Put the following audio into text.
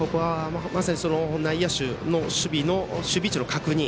まさに内野手の守備位置の確認。